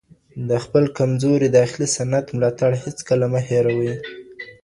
د خپل کمزوري داخلي صنعت ملاتړ هيڅکله مه هيروئ.